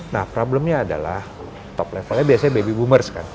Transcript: nah problemnya adalah top levelnya biasanya baby boomers kan